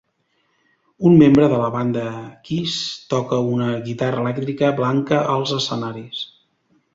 Un membre de la banda KISS toca una guitarra elèctrica blanca als escenaris.